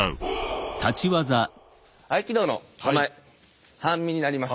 合気道の構え半身になります。